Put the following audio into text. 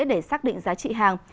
để xác định giá trị hàng